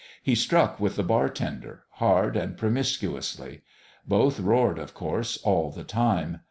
He struck with the bartender hard and promiscuously. Both roared, of course, all the time.